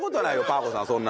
パー子さん